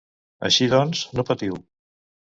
Així doncs, no patiu.